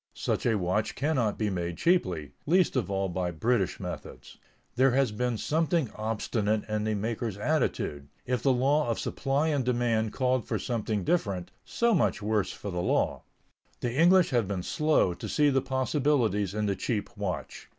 Such a watch cannot be made cheaply, least of all by British methods. There has been something obstinate in the maker's attitude; if the law of supply and demand called for something different, so much the worse for the law. The English have been slow to see the possibilities in the cheap watch.